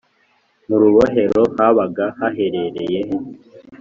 mu rubohero habaga haherereye he